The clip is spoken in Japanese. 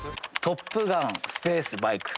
トップガンスペースバイク。